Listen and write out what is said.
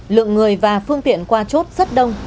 lượng người và phương tiện qua chốt rất đông